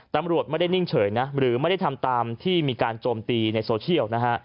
ตำรวจไม่ได้นิ่งเฉยนะหรือไม่ได้ทำตามที่มีการโจมตีในโซเชียลนะฮะ